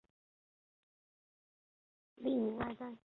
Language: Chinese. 吏民爱戴。